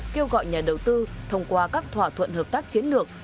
kêu gọi nhà đầu tư thông qua các thỏa thuận hợp tác chiến lược